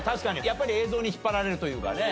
やっぱり映像に引っ張られるというかね。